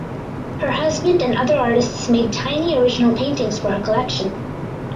Her husband and other artists made tiny original paintings for her collection.